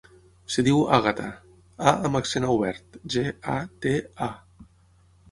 Es diu Àgata: a amb accent obert, ge, a, te, a.